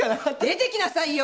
出てきなさいよ！